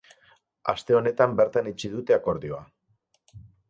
Aste honetan bertan itxi dute akordioa.